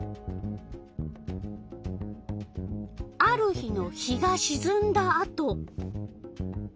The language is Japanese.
ある日の日がしずんだあと。